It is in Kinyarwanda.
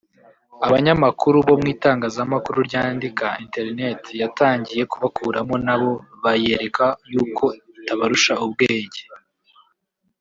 Abanyamakuru bo mwitangazamakuru ryandika internet yatangiye kubakuramo nabo bayereka yuko itabarusha ubwenge